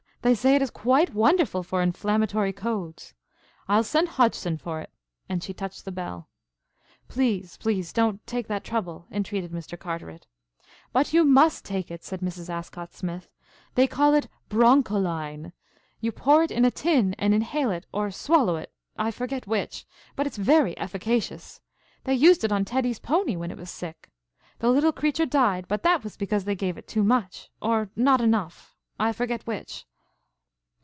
They say that it is quite wonderful for inflammatory colds. I'll send Hodgson for it," and she touched the bell. "Please, please don't take that trouble," entreated Mr. Carteret. "But you must take it," said Mrs. Ascott Smith. "They call it Broncholine. You pour it in a tin and inhale it or swallow it, I forget which, but it's very efficacious. They used it on Teddy's pony when it was sick. The little creature died but that was because they gave it too much, or not enough, I forget which."